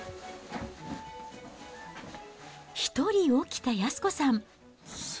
１人起きた安子さん。